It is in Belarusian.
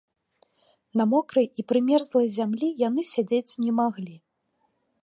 На мокрай і прымерзлай зямлі яны сядзець не маглі.